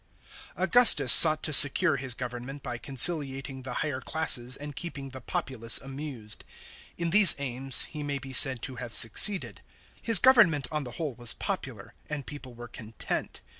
§ 1. AUGUSTUS sought to secure his government by conciliating the higher classes and keeping the populace amused. In these aims he may be said to have succeeded. His government on the whole was popular, and people were content.